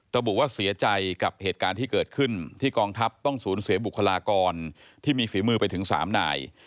ระบุว่าเสียใจกับเหตุการณ์ที่เกิดขึ้นที่กองทัพต้องสูญเสียบุคลากรที่มีฝีมือไปถึง๓นาย